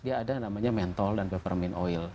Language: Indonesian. dia ada namanya mentol dan peppermint